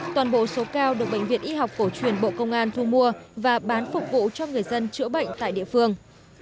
toàn bộ số cao được bệnh viện y học cổ truyền bộ công an thu mua và bán phục vụ cho người dân chữa bệnh tại địa phương